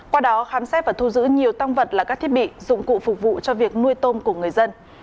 qua đó khám xét và thu giữ nhiều tăng vật là các thiết bị dụng cụ phục vụ cho việc nuôi tôm của người dân